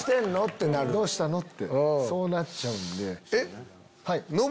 「どうしたの？」ってそうなっちゃうんで。